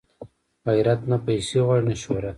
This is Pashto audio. غیرت نه پیسې غواړي نه شهرت